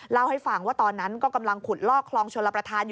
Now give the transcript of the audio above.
เล่าให้ฟังว่าตอนนั้นก็กำลังขุดลอกคลองชลประธานอยู่